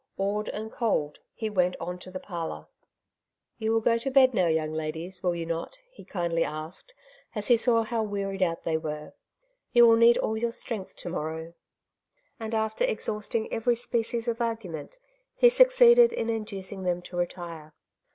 Awed and cold, he went on to the parlour. 152 " Two Sides to every Question^* ^^ You will go to bed now, young ladies^ will you not ?'' he kindly asked, as lie saw how wearied out they were. ^'Tou will need all your strength to morrow/' And after exhausting every species of argument he succeeded in inducing them to retire.